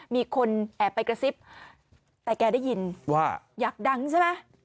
มีคนแอบไปกระซิบแต่แกได้ยินว่าอยากดังใช่ไหม